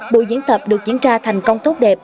bộ diễn tập được kiểm tra thành công tốt đẹp